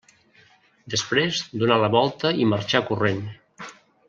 Després donà la volta i marxà corrent.